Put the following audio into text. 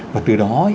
và từ đó